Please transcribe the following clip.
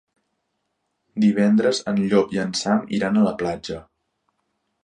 Divendres en Llop i en Sam iran a la platja.